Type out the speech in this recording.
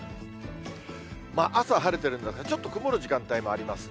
朝は晴れてるんですが、ちょっと曇る時間帯もありますね。